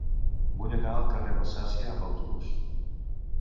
Vull anar al carrer d'Alsàcia amb autobús.